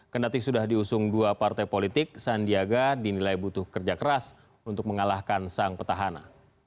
kendati sudah diusung dua partai politik sandiaga dinilai butuh kerja keras untuk mengalahkan sang petahana